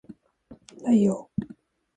太陽